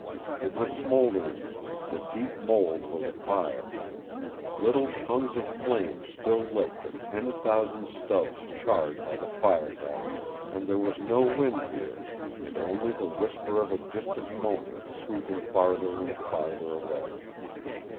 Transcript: It was smoldering; the deep mold was afire. Little tongues of flame still licked at ten thousand stubs charred by the fire death and there was no wind here, and only the whisper of a distant moaning sweeping farther and farther away.